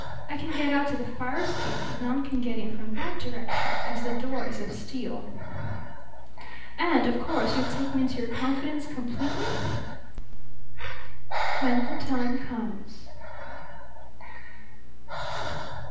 I can get out to the fire escape, but none can get in from that direction, as the door is of steel." "And, of course, you'll take me into your confidence completely?" "When the time comes.